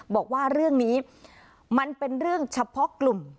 บอกว่าเรื่องนี้มันเป็นเรื่องเฉพาะกลุ่ม